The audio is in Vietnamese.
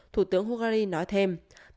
thủ tướng hungary nói thêm